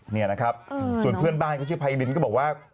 นี่นะครับส่วนเพื่อนบ้านเขาชื่อไพรินก็บอกว่า